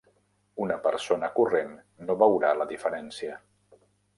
Una persona corrent no veurà la diferència.